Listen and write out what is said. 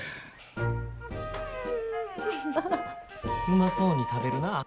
うまそうに食べるなあ。